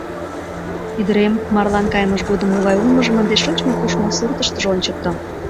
— Ӱдырем марлан кайымыж годым могай улмыжым ынде шочмо-кушмо суртыштыжо ончыкто.